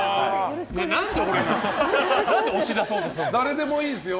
何で押し出そうとするの？